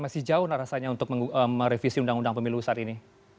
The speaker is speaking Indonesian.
masih jauh narasanya untuk merevisi undang undang pemilu saat ini